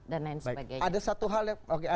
selamat penanganan dan lain sebagainya